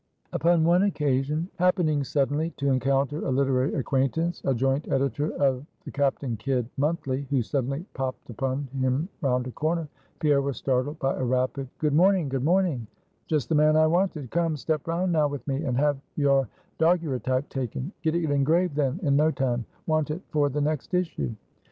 Upon one occasion, happening suddenly to encounter a literary acquaintance a joint editor of the "Captain Kidd Monthly" who suddenly popped upon him round a corner, Pierre was startled by a rapid "Good morning, good morning; just the man I wanted: come, step round now with me, and have your Daguerreotype taken; get it engraved then in no time; want it for the next issue."